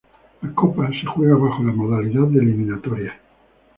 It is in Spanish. La copa se juega bajo la modalidad de eliminatorias.